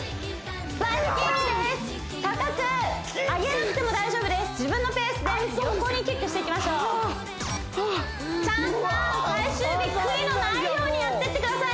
高く上げなくても大丈夫です自分のペースで横にキックしていきましょうはぁチャンさん最終日悔いのないようにやってってくださいね